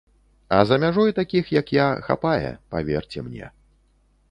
А за мяжой такіх, як я, хапае, паверце мне.